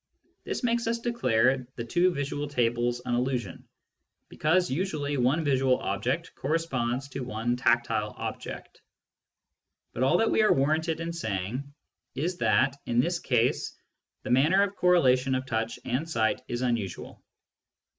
This makes us declare the two visual tables an illusion, because usually one visual object corresponds to one tactile object. But all that we are warranted in saying is that, in this case, the manner of correlation of touch and sight is unusual.